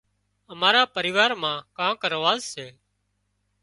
امار پريوار مان ڪانڪ رواز سي